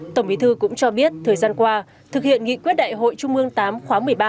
tổng bí thư cũng cho biết thời gian qua thực hiện nghị quyết đại hội trung ương viii khóa một mươi ba